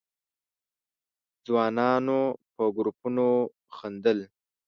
ځوانانو په گروپونو خندل.